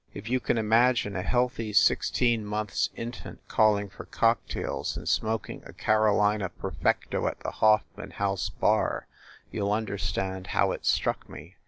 If you can imagine a healthy sixteen months infant calling for cocktails and smoking a Carolina Perfecto at the Hoffman House bar, you ll understand how it struck me.